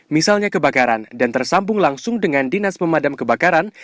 misalnya kebakaran dan tersambung langsung dengan dinas pemadam kebakaran